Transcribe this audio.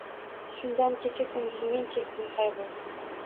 Shundan kecha-kunduz men chekdim qayg’u.